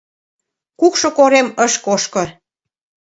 Кукшо корем ыш кошко.